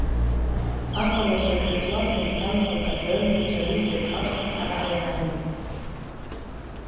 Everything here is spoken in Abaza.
Акъала щарда цӏуата йталхыз абзазагӏвчва рызджьакӏ апхын араъа йгӏайлитӏ.